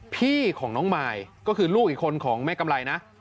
พี่น้องของน้องมายก็คือลูกอีกคนของแม่กำไรนะ